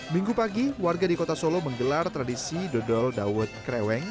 minggu pagi warga di kota solo menggelar tradisi dodol dawet kreweng